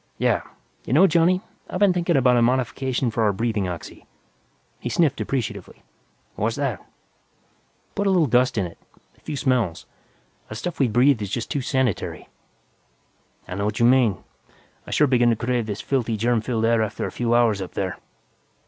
"Yeah. You know, Johnny, I've been thinking about a modification for our breathing oxy." He sniffed appreciatively. "What's that?" "Put a little dust in it, a few smells. That stuff we breathe is just too sanitary!" "I know what you mean. I sure begin to crave this filthy, germ filled air after a few hours out there."